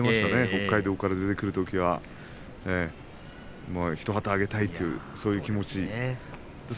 北海道から出てくるときは一旗あげたいという、そういう気持ちで。